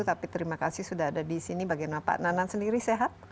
tapi terima kasih sudah ada di sini bagaimana pak nanan sendiri sehat